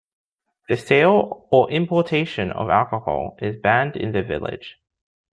The sale or importation of alcohol is banned in the village.